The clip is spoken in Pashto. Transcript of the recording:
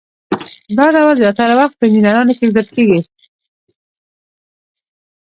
دا ډول زیاتره وخت په انجینرانو کې لیدل کیږي.